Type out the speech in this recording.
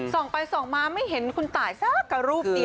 ส่องไปส่องมาไม่เห็นคุณตายสักกระรูปเดียวเลย